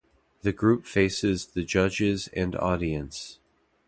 The group faces the judges and audience.